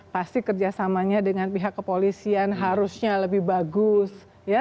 pasti kerjasamanya dengan pihak kepolisian harusnya lebih bagus